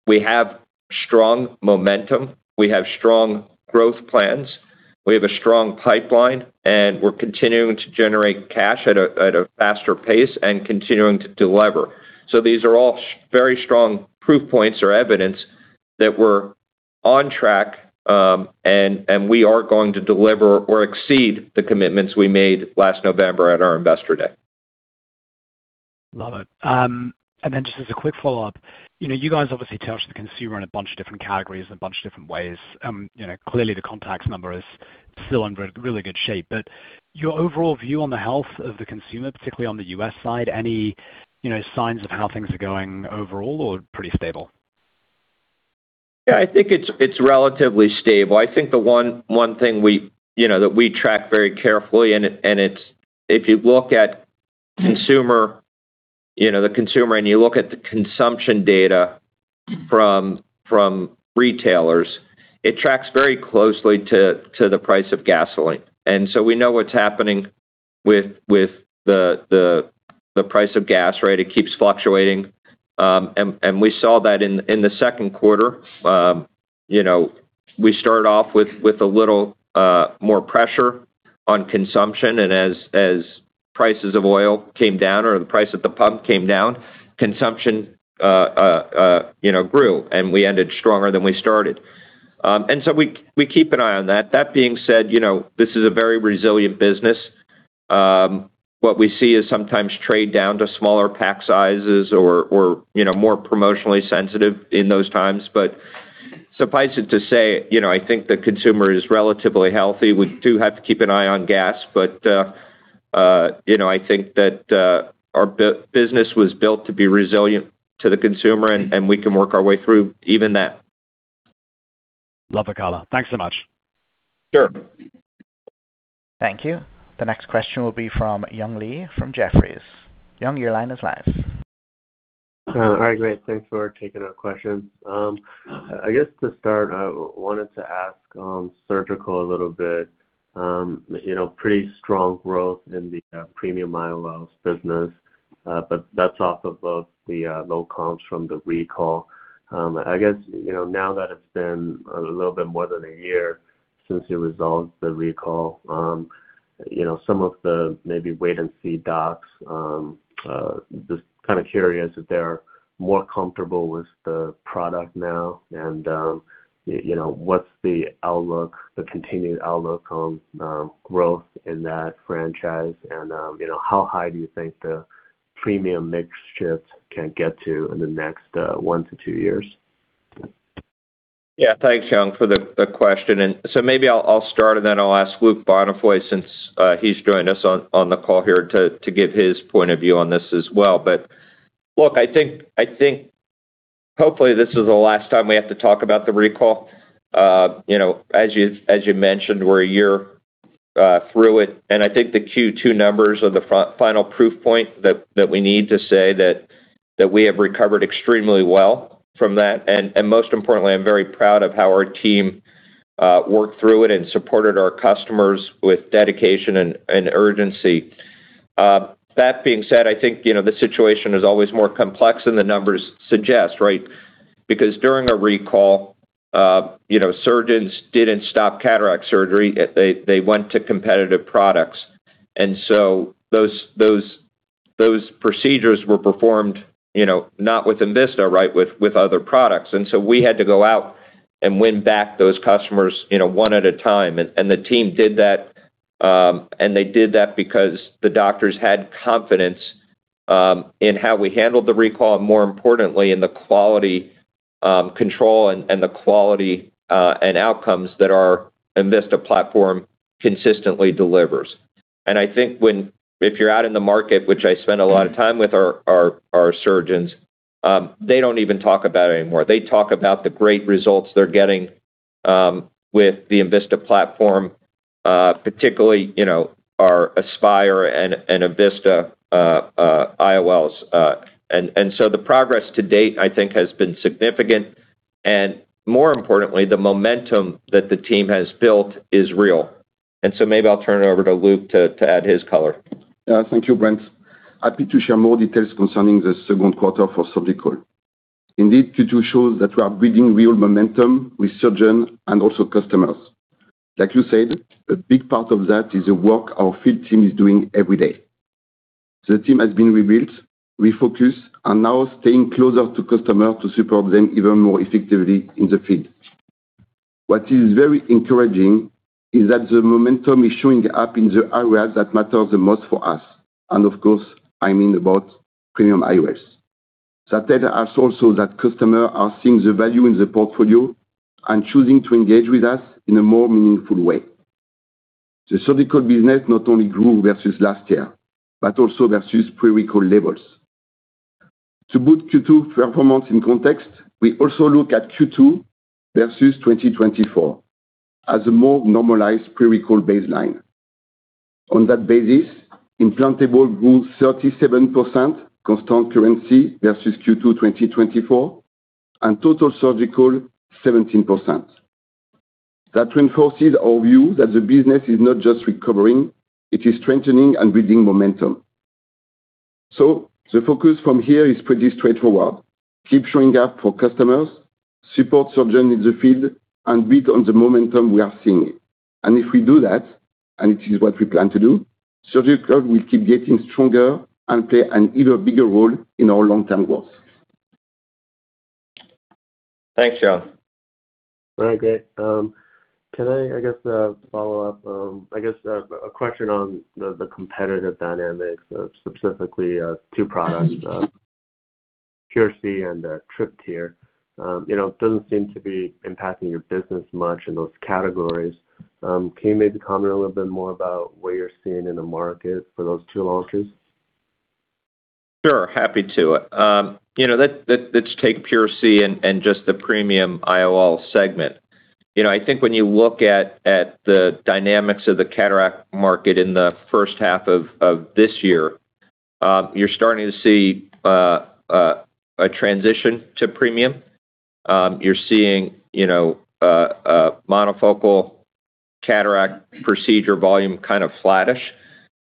We have strong momentum. We have strong growth plans. We have a strong pipeline, and we're continuing to generate cash at a faster pace and continuing to delever. These are all very strong proof points or evidence that we're on track, and we are going to deliver or exceed the commitments we made last November at our Investor Day. Love it. Just as a quick follow-up, you guys obviously touch the consumer in a bunch of different categories in a bunch of different ways. Clearly, the contacts number is still in really good shape. Your overall view on the health of the consumer, particularly on the U.S. side, any signs of how things are going overall or pretty stable? I think it's relatively stable. I think the one thing that we track very carefully, if you look at the consumer and you look at the consumption data from retailers, it tracks very closely to the price of gasoline. We know what's happening with the price of gas, right? It keeps fluctuating. We saw that in the second quarter. We started off with a little more pressure on consumption, as prices of oil came down or the price at the pump came down, consumption grew, and we ended stronger than we started. We keep an eye on that. That being said, this is a very resilient business. What we see is sometimes trade down to smaller pack sizes or more promotionally sensitive in those times. Suffice it to say, I think the consumer is relatively healthy. We do have to keep an eye on gas, I think that our business was built to be resilient to the consumer, we can work our way through even that. Love the color. Thanks so much. Sure. Thank you. The next question will be from Young Li from Jefferies. Young, your line is live. All right, great. Thanks for taking our questions. I guess to start, I wanted to ask surgical a little bit. Pretty strong growth in the premium IOLs business, but that's off of the low comps from the recall. I guess, now that it's been a little bit more than a year since you resolved the recall, some of the maybe wait-and-see docs, just kind of curious if they're more comfortable with the product now. What's the continued outlook on growth in that franchise, and how high do you think the premium mix shift can get to in the next one to two years? Yeah. Thanks, Young, for the question. Maybe I'll start and then I'll ask Luc Bonnefoy, since he's joined us on the call here, to give his point of view on this as well. Look, I think hopefully this is the last time we have to talk about the recall. As you mentioned, we're a year through it, and I think the Q2 numbers are the final proof point that we need to say that we have recovered extremely well from that. Most importantly, I'm very proud of how our team worked through it and supported our customers with dedication and urgency. That being said, I think the situation is always more complex than the numbers suggest, right? Because during a recall, surgeons didn't stop cataract surgery. They went to competitive products. Those procedures were performed not with enVista, right, with other products. We had to go out and win back those customers one at a time. The team did that, and they did that because the doctors had confidence in how we handled the recall, and more importantly, in the quality control and the quality and outcomes that our enVista platform consistently delivers. I think if you're out in the market, which I spend a lot of time with our surgeons, they don't even talk about it anymore. They talk about the great results they're getting with the enVista platform, particularly our Aspire and enVista IOLs. The progress to date, I think, has been significant, and more importantly, the momentum that the team has built is real. Maybe I'll turn it over to Luc to add his color. Thank you, Brent. Happy to share more details concerning the second quarter for Surgical. Indeed, Q2 shows that we are building real momentum with surgeons and also customers. Like you said, a big part of that is the work our field team is doing every day. The team has been rebuilt, refocused, and now staying closer to customers to support them even more effectively in the field. What is very encouraging is that the momentum is showing up in the areas that matter the most for us. Of course, I mean about premium IOLs. That data has shown us that customers are seeing the value in the portfolio and choosing to engage with us in a more meaningful way. The Surgical business not only grew versus last year, but also versus pre-recall levels. To put Q2 performance in context, we also look at Q2 versus 2024 as a more normalized pre-recall baseline. On that basis, Implantable grew 37% constant currency versus Q2 2024, and total Surgical 17%. That reinforces our view that the business is not just recovering, it is strengthening and building momentum. The focus from here is pretty straightforward. Keep showing up for customers, support surgeons in the field, and build on the momentum we are seeing. If we do that, and it is what we plan to do, Surgical will keep getting stronger and play an even bigger role in our long-term growth. Thanks, Luc. All right. Great. Can I guess, follow up? I guess a question on the competitive dynamics of specifically two products, PureSee and Tryptyr. It doesn't seem to be impacting your business much in those categories. Can you maybe comment a little bit more about what you're seeing in the market for those two launches? Sure. Happy to. Let's take PureSee and just the premium IOL segment. I think when you look at the dynamics of the cataract market in the first half of this year, you're starting to see a transition to premium. You're seeing monofocal cataract procedure volume kind of flattish.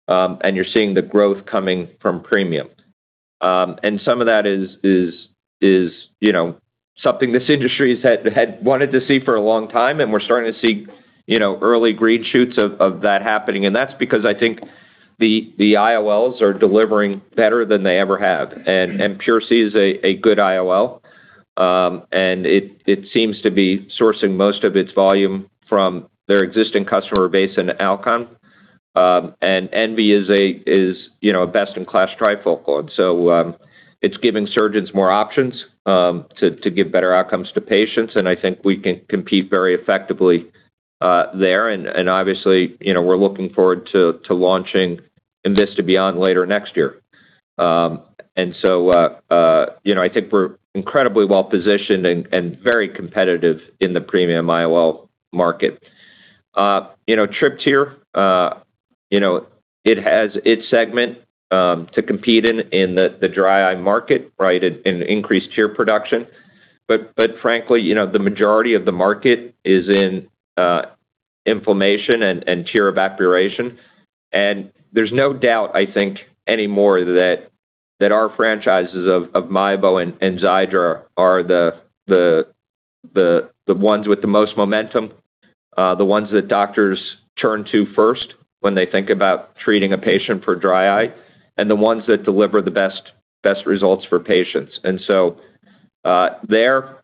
You're seeing the growth coming from premium. Some of that is something this industry had wanted to see for a long time, and we're starting to see early green shoots of that happening. That's because I think the IOLs are delivering better than they ever have. PureSee is a good IOL, and it seems to be sourcing most of its volume from their existing customer base in Alcon. Envy is a best-in-class trifocal. It's giving surgeons more options to give better outcomes to patients, and I think we can compete very effectively there. Obviously, we're looking forward to launching enVista Beyond later next year. I think we're incredibly well-positioned and very competitive in the premium IOL market. Tryptyr, it has its segment to compete in the dry eye market, right? In increased tear production. Frankly, the majority of the market is in inflammation and tear evaporation. There's no doubt, I think, anymore that our franchises of MIEBO and XIIDRA are the ones with the most momentum, the ones that doctors turn to first when they think about treating a patient for dry eye, and the ones that deliver the best results for patients. There,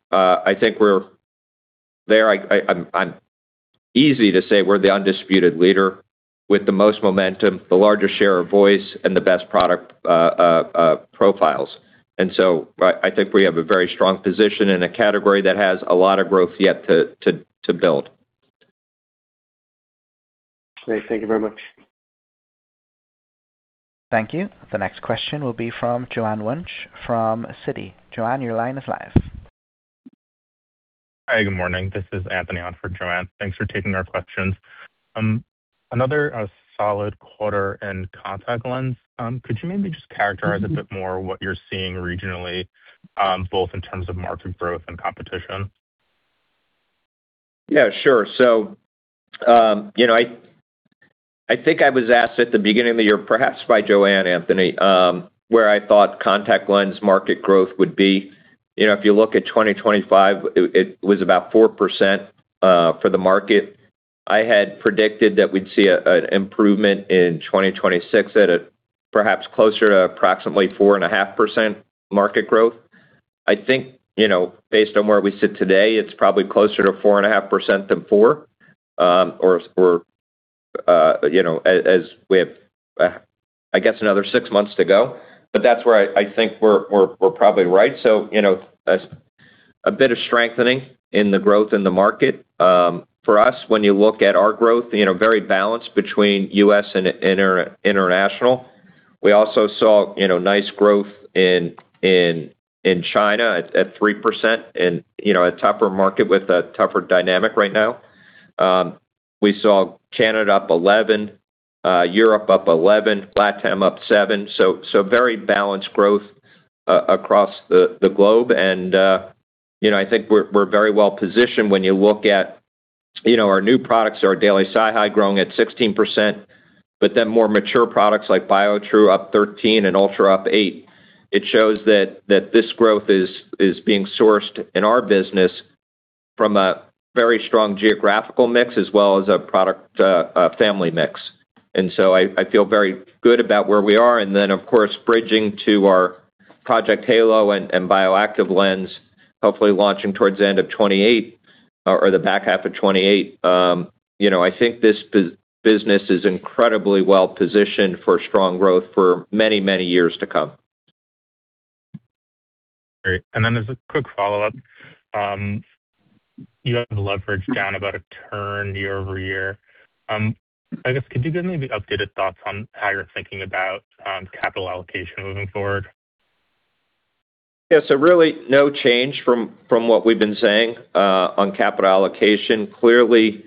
I'm easy to say we're the undisputed leader with the most momentum, the larger share of voice, and the best product profiles. I think we have a very strong position in a category that has a lot of growth yet to build. Great. Thank you very much. Thank you. The next question will be from Joanne Wuensch from Citi. Joanne, your line is live. Hi. Good morning. This is Anthony on for Joanne. Thanks for taking our questions. Another solid quarter in contact lens. Could you maybe just characterize a bit more what you're seeing regionally, both in terms of market growth and competition? Yeah, sure. I think I was asked at the beginning of the year, perhaps by Joanne, Anthony, where I thought contact lens market growth would be. If you look at 2025, it was about 4% for the market. I had predicted that we'd see an improvement in 2026 at perhaps closer to approximately 4.5% market growth. I think, based on where we sit today, it's probably closer to 4.5% than 4%, or as we have, I guess, another six months to go. That's where I think we're probably right. A bit of strengthening in the growth in the market. For us, when you look at our growth, very balanced between U.S. and international. We also saw nice growth in China at 3%, in a tougher market with a tougher dynamic right now. We saw Canada up 11%, Europe up 11%, LATAM up 7%. Very balanced growth across the globe. I think we're very well-positioned when you look at our new products. Our [inaudible] growing at 16%, but then more mature products like Biotrue up 13% and ULTRA up 8%. It shows that this growth is being sourced in our business from a very strong geographical mix as well as a product family mix. I feel very good about where we are. Then, of course, bridging to our Project Halo and BioActive lens, hopefully launching towards the end of 2028 or the back half of 2028. I think this business is incredibly well-positioned for strong growth for many, many years to come. Great. There's a quick follow-up. You have leverage down about a turn year-over-year. I guess, could you give maybe updated thoughts on how you're thinking about capital allocation moving forward? Really no change from what we've been saying on capital allocation. Clearly,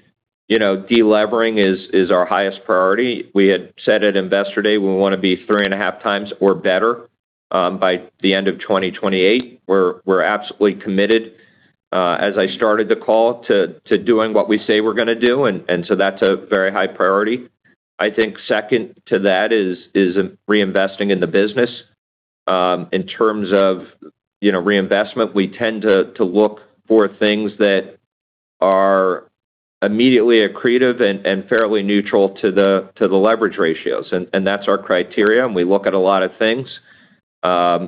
delevering is our highest priority. We had said at Investor Day we want to be 3.5x or better, by the end of 2028. We're absolutely committed, as I started the call, to doing what we say we're going to do, that's a very high priority. I think second to that is reinvesting in the business. In terms of reinvestment, we tend to look for things that are immediately accretive and fairly neutral to the leverage ratios. That's our criteria, and we look at a lot of things. We're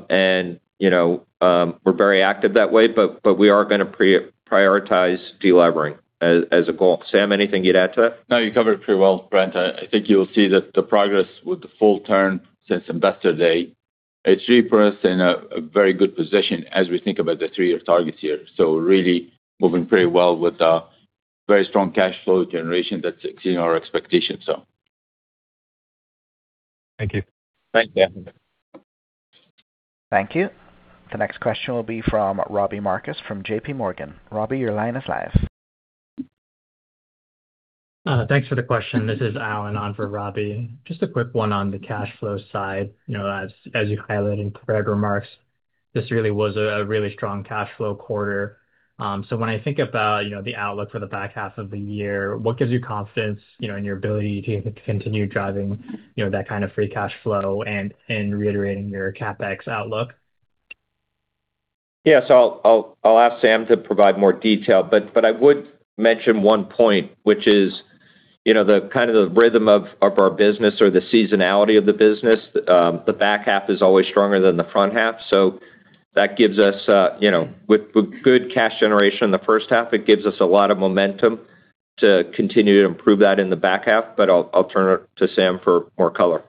very active that way, but we are going to prioritize delevering as a goal. Sam, anything you'd add to that? No, you covered it pretty well, Brent. I think you'll see that the progress with the full turn since Investor Day, it's really put us in a very good position as we think about the 3-year targets here. Really moving pretty well with a very strong cash flow generation that's exceeding our expectations. Thank you. Thanks, Anthony. Thank you. The next question will be from Robbie Marcus from JPMorgan. Robbie, your line is live. Thanks for the question. This is Alan on for Robbie. Just a quick one on the cash flow side. As you highlighted in your opening remarks, this really was a really strong cash flow quarter. When I think about the outlook for the back half of the year, what gives you confidence in your ability to continue driving that kind of free cash flow and reiterating your CapEx outlook? I'll ask Sam to provide more detail, I would mention one point, which is the kind of rhythm of our business or the seasonality of the business. The back half is always stronger than the front half. With good cash generation in the first half, it gives us a lot of momentum to continue to improve that in the back half. I'll turn it to Sam for more color.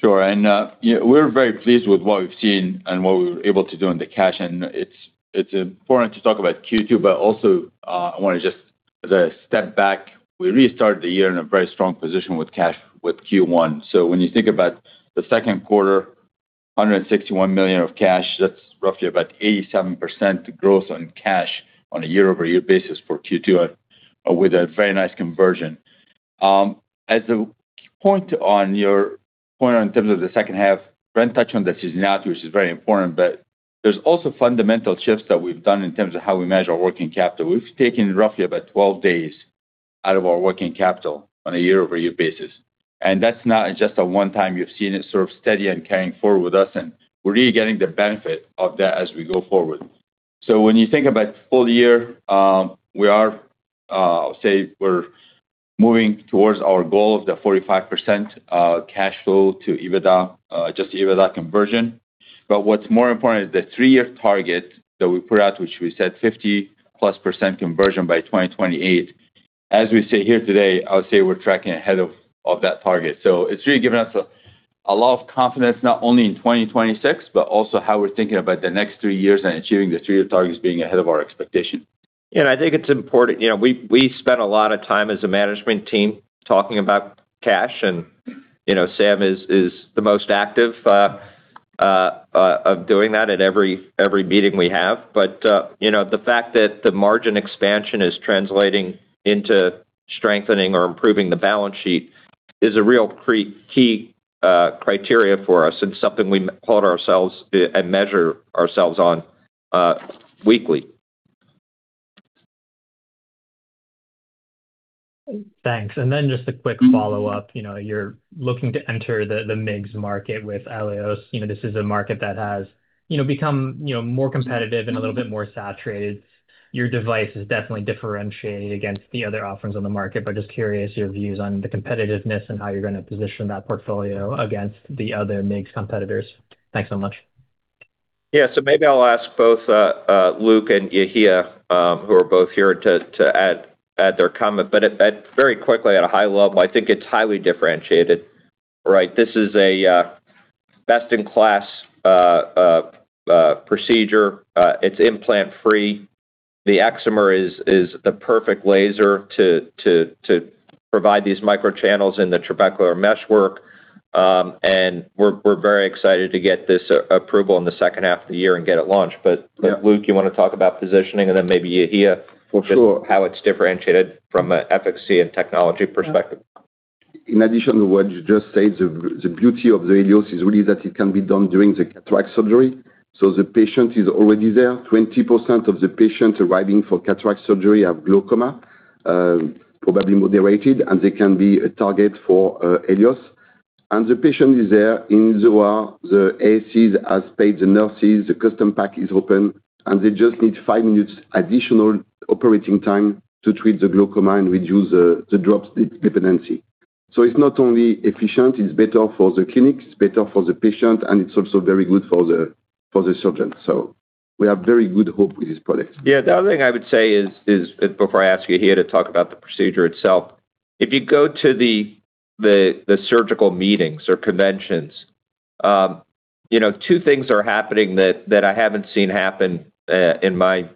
Sure. We're very pleased with what we've seen and what we were able to do on the cash end. It's important to talk about Q2, but also, I want to step back. We restarted the year in a very strong position with cash with Q1. When you think about the second quarter, $161 million of cash, that's roughly about 87% growth on cash on a year-over-year basis for Q2, with a very nice conversion. As a point on your point on terms of the second half, Brent touched on the seasonality, which is very important. There's also fundamental shifts that we've done in terms of how we measure our working capital. We've taken roughly about 12 days out of our working capital on a year-over-year basis, and that's not just a one time. You've seen it sort of steady and carrying forward with us. We're really getting the benefit of that as we go forward. When you think about full year, we're moving towards our goal of the 45% cash flow to EBITDA, just EBITDA conversion. What's more important is the three-year target that we put out, which we said 50%+ conversion by 2028. As we sit here today, I would say we're tracking ahead of that target. It's really given us a lot of confidence, not only in 2026, but also how we're thinking about the next three years and achieving the three-year targets being ahead of our expectation. I think it's important. We spent a lot of time as a management team talking about cash. Sam is the most active of doing that at every meeting we have. The fact that the margin expansion is translating into strengthening or improving the balance sheet is a real key criteria for us and something we hold ourselves and measure ourselves on weekly. Thanks. Just a quick follow-up. You're looking to enter the MIGS market with ELIOS. This is a market that has become more competitive and a little bit more saturated. Your device is definitely differentiated against the other offerings on the market, but just curious your views on the competitiveness and how you're going to position that portfolio against the other MIGS competitors. Thanks so much. Yeah. Maybe I'll ask both Luc and Yehia, who are both here to add their comment. Very quickly, at a high level, I think it's highly differentiated, right? This is a best-in-class procedure. It's implant free. The Excimer is the perfect laser to provide these microchannels in the trabecular meshwork. We're very excited to get this approval in the second half of the year and get it launched. Luc- Yeah. You want to talk about positioning and then maybe Yehia- For sure. ...just how it's differentiated from an efficacy and technology perspective. In addition to what you just said, the beauty of the ELIOS is really that it can be done during the cataract surgery, so the patient is already there. 20% of the patients arriving for cataract surgery have glaucoma, probably moderated, and they can be a target for ELIOS. The patient is there in OR, the ASC has paid the nurses, the custom pack is open, and they just need five minutes additional operating time to treat the glaucoma and reduce the drops dependency. It's not only efficient, it's better for the clinic, it's better for the patient, and it's also very good for the surgeon. We have very good hope with this product. Yeah. The other thing I would say is, before I ask Yehia to talk about the procedure itself, if you go to the surgical meetings or conventions, two things are happening that I haven't seen happen in my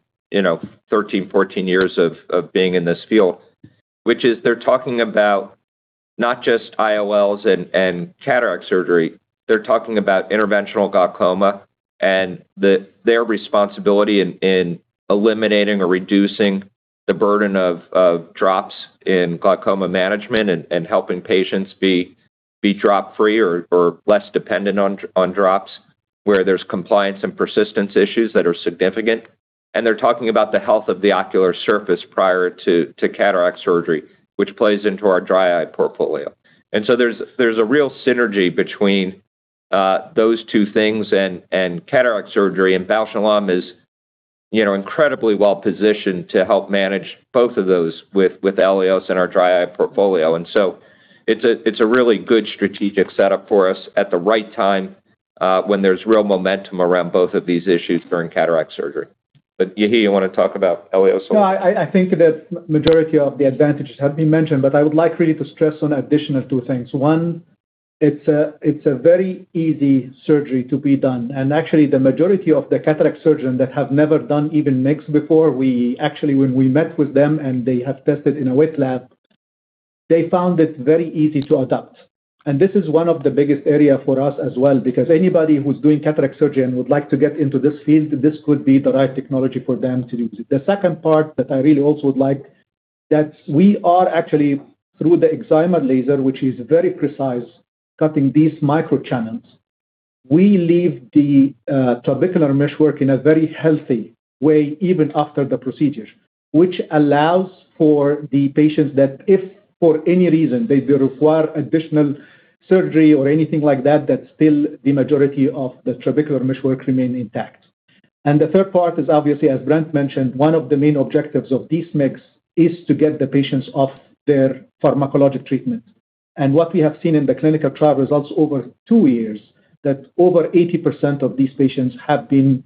13, 14 years of being in this field, which is they're talking about not just IOLs and cataract surgery, they're talking about interventional glaucoma and their responsibility in eliminating or reducing the burden of drops in glaucoma management and helping patients be drop-free or less dependent on drops where there's compliance and persistence issues that are significant. They're talking about the health of the ocular surface prior to cataract surgery, which plays into our dry eye portfolio. There's a real synergy between those two things and cataract surgery, and Bausch + Lomb is incredibly well-positioned to help manage both of those with ELIOS and our dry eye portfolio. It's a really good strategic setup for us at the right time when there's real momentum around both of these issues during cataract surgery. Yehia, you want to talk about ELIOS a little? I think that majority of the advantages have been mentioned, but I would like really to stress on additional two things. One, it's a very easy surgery to be done. Actually, the majority of the cataract surgeon that have never done even MIGS before, we actually, when we met with them and they have tested in a wet lab, they found it very easy to adapt. This is one of the biggest area for us as well, because anybody who's doing cataract surgery and would like to get into this field, this could be the right technology for them to use. The second part that I really also would like, that we are actually through the Excimer laser, which is very precise, cutting these microchannels. We leave the trabecular meshwork in a very healthy way, even after the procedure, which allows for the patients that if for any reason they require additional surgery or anything like that still the majority of the trabecular meshwork remain intact. The third part is obviously, as Brent mentioned, one of the main objectives of this MIGS is to get the patients off their pharmacologic treatment. What we have seen in the clinical trial results over two years, that over 80% of these patients have been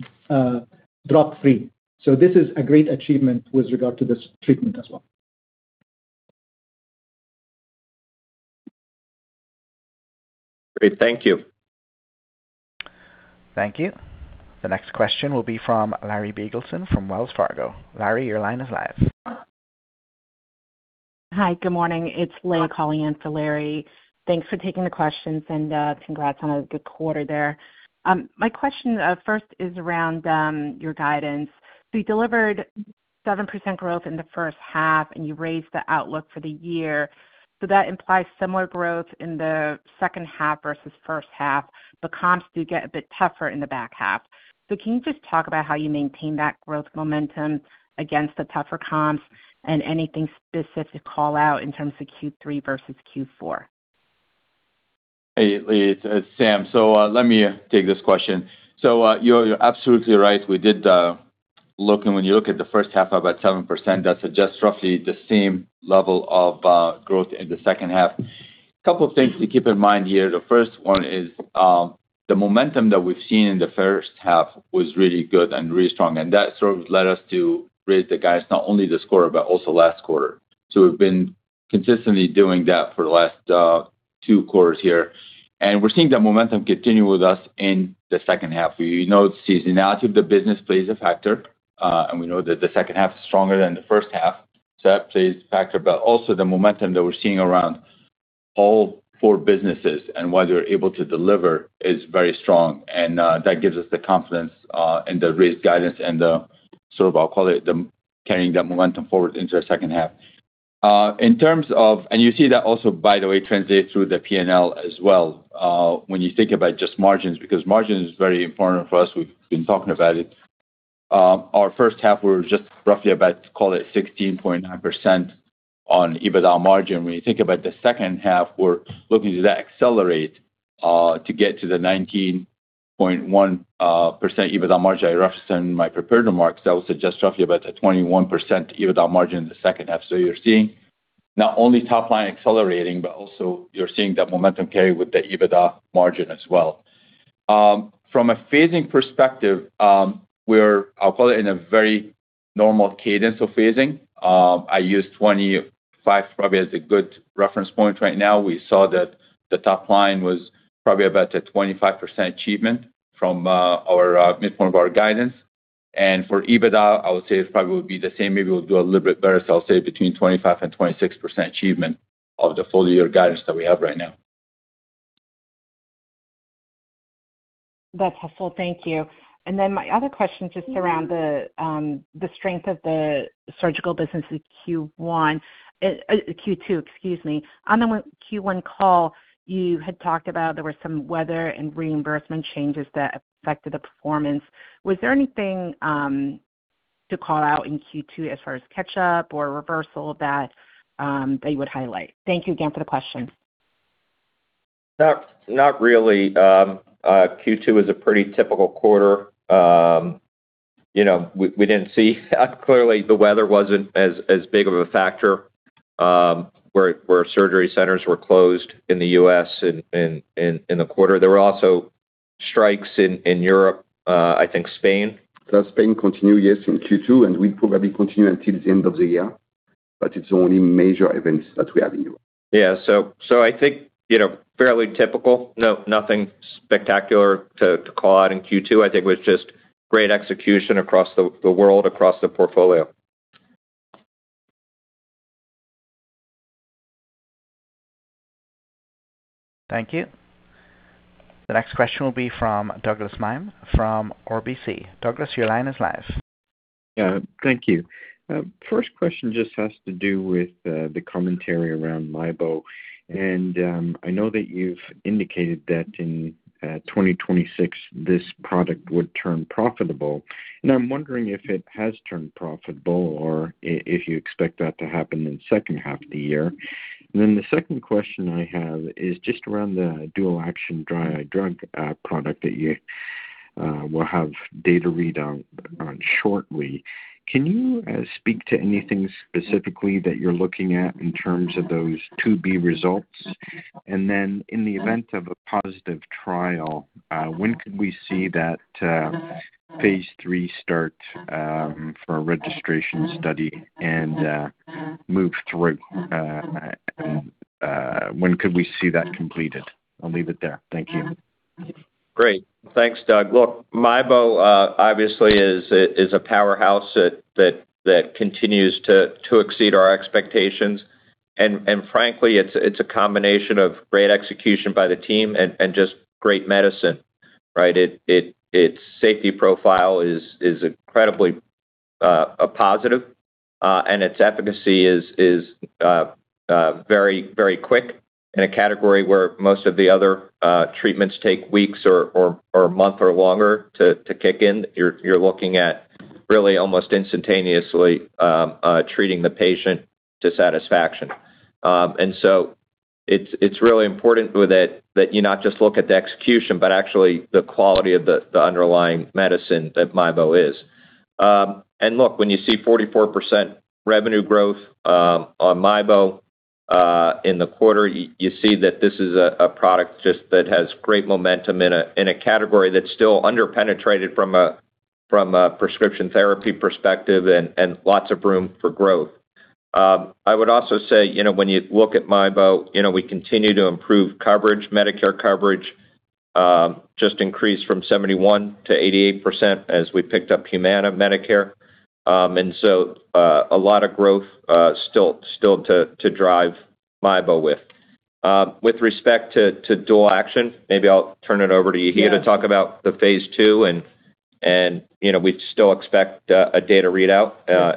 drop-free. This is a great achievement with regard to this treatment as well. Great. Thank you. Thank you. The next question will be from Larry Biegelsen from Wells Fargo. Larry, your line is live. Hi, good morning. It's Leigh calling in for Larry. Thanks for taking the questions. Congrats on a good quarter there. My question first is around your guidance. You delivered 7% growth in the first half. You raised the outlook for the year. That implies similar growth in the second half versus first half. Comps do get a bit tougher in the back half. Can you just talk about how you maintain that growth momentum against the tougher comps and anything specific to call out in terms of Q3 versus Q4? Hey, Leigh, it's Sam. Let me take this question. You're absolutely right. We did look. When you look at the first half, up about 7%, that suggests roughly the same level of growth in the second half. Couple of things to keep in mind here. The first one is the momentum that we've seen in the first half was really good and really strong. That sort of led us to raise the guidance not only this quarter, but also last quarter. We've been consistently doing that for the last two quarters here. We're seeing that momentum continue with us in the second half. We know the seasonality of the business plays a factor. We know that the second half is stronger than the first half. That plays a factor. Also the momentum that we're seeing around all four businesses and what they're able to deliver is very strong. That gives us the confidence in the raised guidance and the, sort of I'll call it, the carrying that momentum forward into the second half. You see that also, by the way, translates through the P&L as well, when you think about just margins, because margin is very important for us. We've been talking about it. Our first half were just roughly about, call it 16.9% on EBITDA margin. When you think about the second half, we're looking to accelerate to get to the 19.1% EBITDA margin I referenced in my prepared remarks. That will suggest roughly about a 21% EBITDA margin in the second half. You're seeing not only top-line accelerating, but also you're seeing that momentum carry with the EBITDA margin as well. From a phasing perspective, we're, I'll call it, in a very normal cadence of phasing. I use 25 probably as a good reference point right now. We saw that the top line was probably about a 25% achievement from our midpoint of our guidance. For EBITDA, I would say it probably would be the same. Maybe we'll do a little bit better. I'll say between 25% and 26% achievement of the full-year guidance that we have right now. That's helpful. Thank you. My other question, just around the strength of the surgical business in Q2, excuse me. On the Q1 call, you had talked about there were some weather and reimbursement changes that affected the performance. Was there anything to call out in Q2 as far as catch-up or reversal that you would highlight? Thank you again for the question. Not really. Q2 was a pretty typical quarter. We didn't see clearly the weather wasn't as big of a factor, where surgery centers were closed in the U.S. in the quarter. There were also strikes in Europe, I think Spain. Plus Spain continued, yes, in Q2, and will probably continue until the end of the year. It's the only major events that we have in Europe. Yeah. I think fairly typical. No, nothing spectacular to call out in Q2. I think it was just great execution across the world, across the portfolio. Thank you. The next question will be from Douglas Miehm from RBC. Douglas, your line is live. Yeah. Thank you. First question just has to do with the commentary around MIEBO. I know that you've indicated that in 2026, this product would turn profitable, and I'm wondering if it has turned profitable or if you expect that to happen in the second half of the year. The second question I have is just around the dual action drug product that you will have data read out on shortly. Can you speak to anything specifically that you're looking at in terms of those 2B results? In the event of a positive trial, when could we see that phase III start for a registration study and move through? When could we see that completed? I'll leave it there. Thank you. Great. Thanks, Doug. Look, MIEBO obviously is a powerhouse that continues to exceed our expectations. Frankly, it's a combination of great execution by the team and just great medicine, right? Its safety profile is incredibly positive. Its efficacy is very quick in a category where most of the other treatments take weeks or a month or longer to kick in. You're looking at really almost instantaneously treating the patient to satisfaction. So it's really important that you not just look at the execution, but actually the quality of the underlying medicine that MIEBO is. Look, when you see 44% revenue growth on MIEBO in the quarter, you see that this is a product just that has great momentum in a category that's still under-penetrated from a prescription therapy perspective and lots of room for growth. I would also say, when you look at MIEBO, we continue to improve coverage. Medicare coverage just increased from 71% to 88% as we picked up Humana Medicare. A lot of growth still to drive MIEBO with. With respect to dual action, maybe I'll turn it over to Yehia- Yeah. ..to talk about the phase II. We still expect a data readout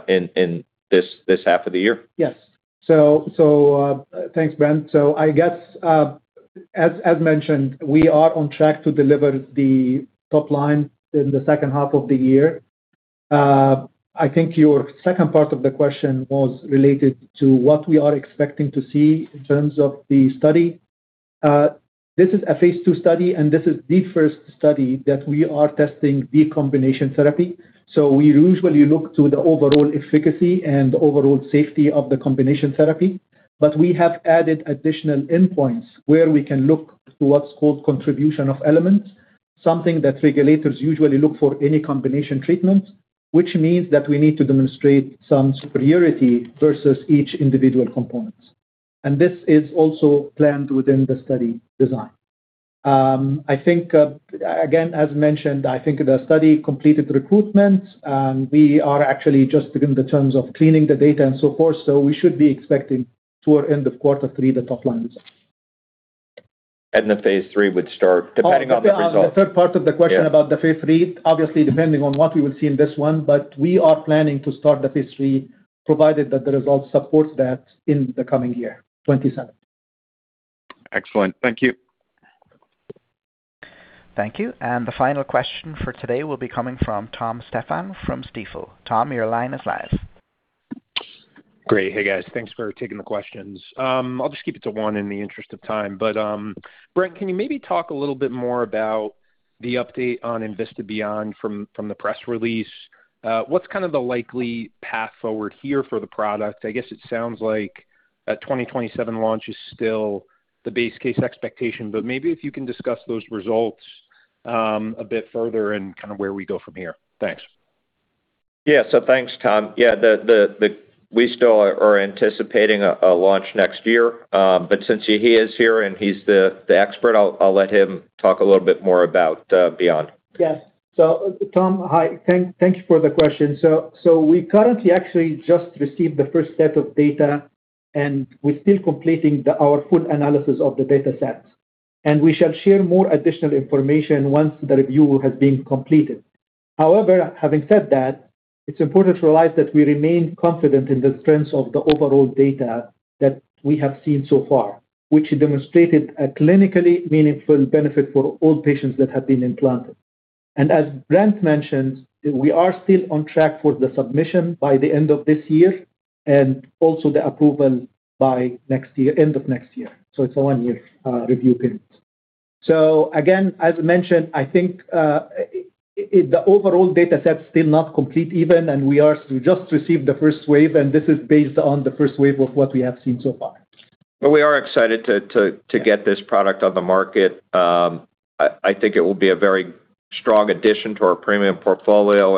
in this half of the year. Yes. Thanks, Brent. I guess, as mentioned, we are on track to deliver the top line in the second half of the year. I think your second part of the question was related to what we are expecting to see in terms of the study. This is a phase II study. This is the first study that we are testing the combination therapy. We usually look to the overall efficacy and overall safety of the combination therapy, we have added additional endpoints where we can look to what's called contribution of elements, something that regulators usually look for any combination treatment, which means that we need to demonstrate some superiority versus each individual component. This is also planned within the study design. Again, as mentioned, I think the study completed recruitment. We are actually just within the terms of cleaning the data and so forth. We should be expecting toward end of quarter three, the top lines. The phase III would start depending on the result. On the third part of the question about the phase III, obviously depending on what we will see in this one, we are planning to start the phase III, provided that the results support that in the coming year, 2027. Excellent. Thank you. Thank you. The final question for today will be coming from Thomas Stephan from Stifel. Tom, your line is live. Great. Hey, guys. Thanks for taking the questions. I'll just keep it to one in the interest of time. Brent, can you maybe talk a little bit more about the update on enVista Beyond from the press release? What's kind of the likely path forward here for the product? I guess it sounds like a 2027 launch is still the base case expectation, maybe if you can discuss those results a bit further and kind of where we go from here. Thanks. Thanks, Thomas Stephan. We still are anticipating a launch next year. Since Yehia Hashad is here and he's the expert, I'll let him talk a little bit more about enVista Beyond. Yes. Thomas Stephan, hi. Thank you for the question. We currently actually just received the first set of data, and we're still completing our full analysis of the data sets. We shall share more additional information once the review has been completed. However, having said that, it's important to realize that we remain confident in the strength of the overall data that we have seen so far, which demonstrated a clinically meaningful benefit for all patients that have been implanted. As Brent Saunders mentioned, we are still on track for the submission by the end of this year and also the approval by end of next year. It's a one-year review period. Again, as mentioned, I think the overall data set's still not complete even, we just received the first wave, and this is based on the first wave of what we have seen so far. We are excited to get this product on the market. I think it will be a very strong addition to our premium portfolio.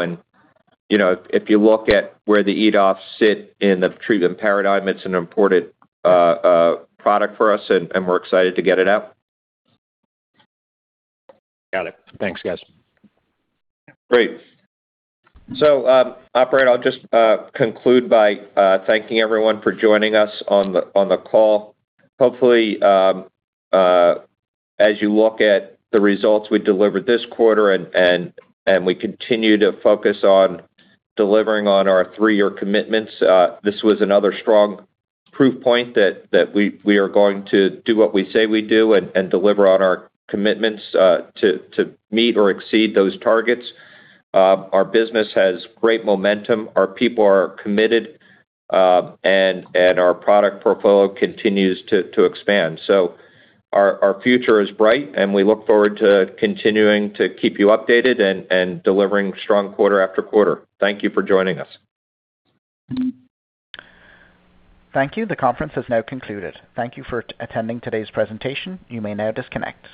If you look at where the EDOFs sit in the treatment paradigm, it's an important product for us, and we're excited to get it out. Got it. Thanks, guys. Great. Operator, I'll just conclude by thanking everyone for joining us on the call. Hopefully, as you look at the results we delivered this quarter and we continue to focus on delivering on our three-year commitments. This was another strong proof point that we are going to do what we say we do and deliver on our commitments to meet or exceed those targets. Our business has great momentum. Our people are committed, and our product portfolio continues to expand. Our future is bright, and we look forward to continuing to keep you updated and delivering strong quarter after quarter. Thank you for joining us. Thank you. The conference is now concluded. Thank you for attending today's presentation. You may now disconnect.